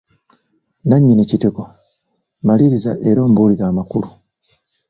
Nannyini kitiko, Maliriza era ombuulire amakulu.